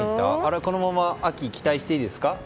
このまま、秋期待していいんですか？